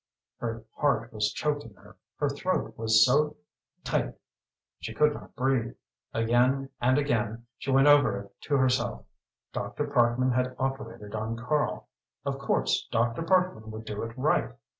Her heart was choking her. Her throat was so tight she could not breathe. Again and again she went over it to herself. Dr. Parkman had operated on Karl. Of course Dr. Parkman would do it right.